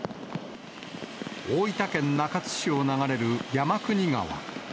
大分県中津市を流れる山国川。